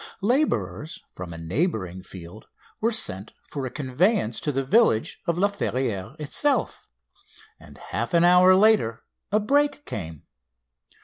Labourers from a neighbouring field were sent for a conveyance to the village of La Ferrière itself, and half an hour later a brake came.